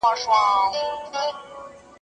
¬ مساپر د خېر پوښته، نه د ورځو.